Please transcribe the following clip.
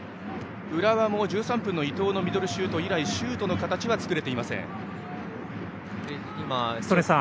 浦和も１３分の伊藤のミドルシュート以来シュートの形は作れていません。